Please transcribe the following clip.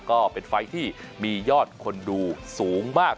ก็เป็นไฟล์ที่มียอดคนดูสูงมาก